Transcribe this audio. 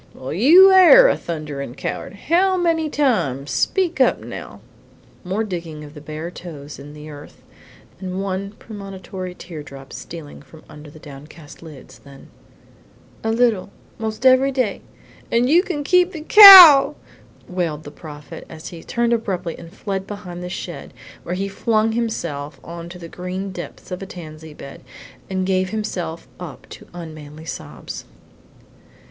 "Well, you AIR a thunderin' coward! How many times? Speak up now." More digging of the bare toes in the earth, and one premonitory tear drop stealing from under the downcast lids, then, "A little, most every day, and you can keep the cow," wailed the Prophet, as he turned abruptly and fled behind the shed, where he flung himself into the green depths of a tansy bed, and gave himself up to unmanly sobs.